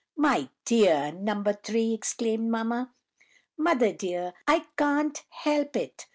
"My dear No. 3!" exclaimed mamma. "Mother, dear, I can't help it!"